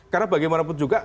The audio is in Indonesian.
karena bagaimanapun juga